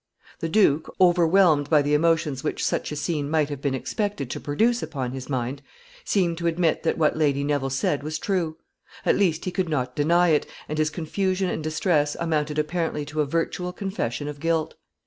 ] The duke, overwhelmed by the emotions which such a scene might have been expected to produce upon his mind, seemed to admit that what Lady Neville said was true. At least he could not deny it, and his confusion and distress amounted apparently to a virtual confession of guilt.